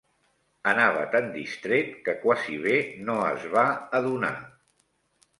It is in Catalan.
Anava tan distret que quasi bé no es va adonar